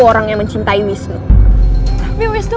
mama ingin mewujudkan keinginan mama selama ini